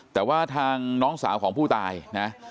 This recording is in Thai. แต่ว่าทางน้องสาวของผู้ตายนะ